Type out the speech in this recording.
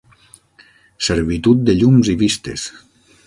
Servitud de llums i vistes.